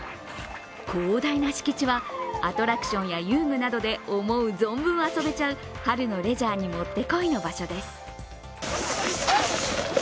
広大な敷地はアトラクションや遊具などで思う存分遊べちゃう春のレジャーにもってこいの場所です。